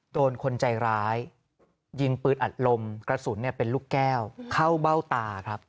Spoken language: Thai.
โดนคนใจร้ายยิงปืนอัดลมกระสุนเป็นลูกแก้วเข้าเบ้าตาครับ